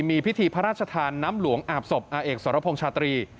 มีพิธีพระราชทานน้ำหลวงอาบศพอาเอกสรพงษ์ชาตรี